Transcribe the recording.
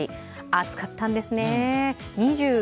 暑かったんですね。